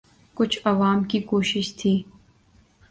کچھ عوام کی کوشش تھی۔